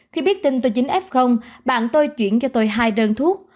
khi biết tin tôi dính f bạn tôi chuyển cho tôi hai đơn thuốc